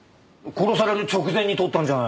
殺される直前に撮ったんじゃないの？